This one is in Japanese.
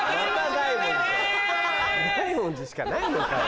大文字しかないのかよ？